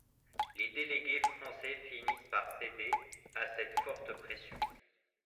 Les délégués français finissent par céder à cette forte pression.